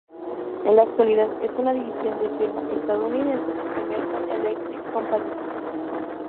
En la actualidad es una división de firma estadounidenses Emerson Electric Company.